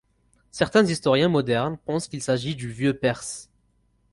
Certains historiens modernes pensent qu'il s'agit du vieux-perse.